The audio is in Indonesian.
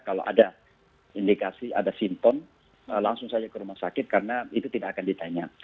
kalau ada indikasi ada simpton langsung saja ke rumah sakit karena itu tidak akan ditanya